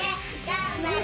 頑張れ！